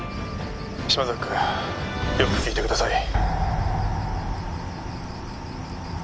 「島崎くんよく聞いてください」